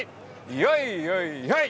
よいよいよい！